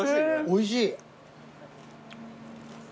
おいしい。